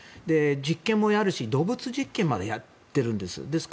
実験もやるし動物実験までやっているんです。